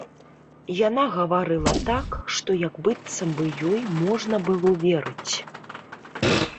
Яна гаварыла так, што як быццам бы ёй можна было верыць.